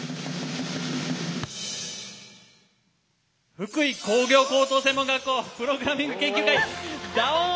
福井工業高等専門学校プログラミング研究会「Ｄ−ＯＮ」。